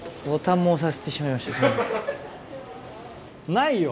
ないよ！